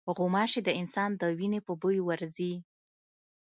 غوماشې د انسان د وینې په بوی ورځي.